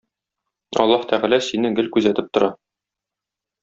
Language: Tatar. Аллаһ Тәгалә сине гел күзәтеп тора.